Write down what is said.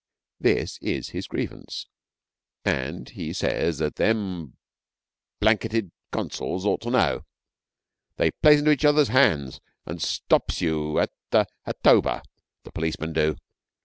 This is his grievance, and he says that them blanketed consuls ought to know. 'They plays into each other's hands, and stops you at the Hatoba' the policemen do.